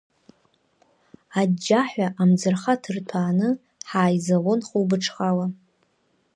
Аџьџьаҳәа амӡырха ҭырҭәааны ҳааизалон хәылбыҽхала.